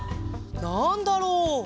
「なんだろう」